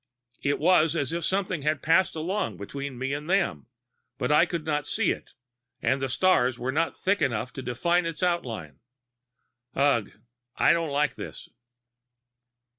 It was as if something had passed along between me and them; but I could not see it, and the stars were not thick enough to define its outline. Ugh! I don't like this.